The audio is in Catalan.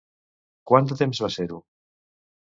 Quant de temps va ser-ho?